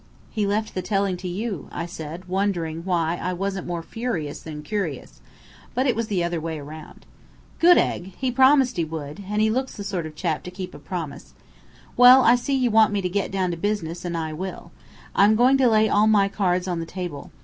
"He left the telling to you," I said, wondering why I wasn't more furious than curious. But it was the other way round. "Good egg! He promised he would, and he looks the sort of chap to keep his promise. Well, I see you want me to get down to business, and I will. I'm going to lay all my cards on the table.